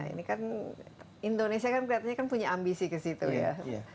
ini kan indonesia kan kelihatannya punya ambisi kesitu ya